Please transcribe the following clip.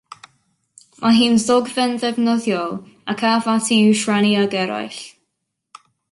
Mae hi'n ddogfen ddefnyddiol, ac af ati i'w rhannu ag eraill.